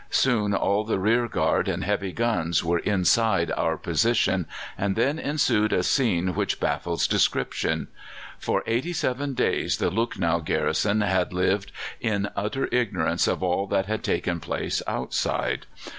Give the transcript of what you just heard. Soon all the rearguard and heavy guns were inside our position, and then ensued a scene which baffles description. For eighty seven days the Lucknow garrison had lived in utter ignorance of all that had taken place outside.